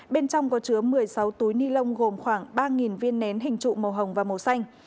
bên trong có chứa một mươi sáu túi ni lông gồm khoảng ba viên nén hình trụ màu hồng và màu xanh